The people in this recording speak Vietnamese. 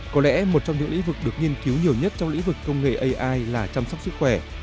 có lẽ một trong những lĩnh vực được nghiên cứu nhiều nhất trong lĩnh vực công nghệ ai là chăm sóc sức khỏe